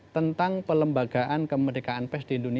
tentang pelembagaan kemerdekaan perumahan